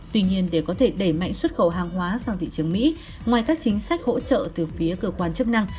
tuy nhiên để có thể đẩy mạnh xuất khẩu hàng hóa sang thị trường mỹ ngoài các chính sách hỗ trợ từ phía cơ quan chức năng